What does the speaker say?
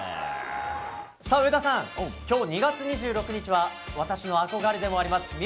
上田さん、今日２月２６日は私の憧れでもあります